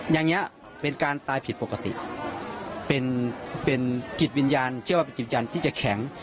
อย่างนี้เป็นการตายผิดปกติเป็นจิตวิญญาณเชื่อว่าเป็นจิตวิญญาณที่จะแข็ง